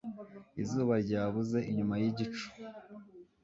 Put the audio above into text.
Izuba ryabuze inyuma yigicu.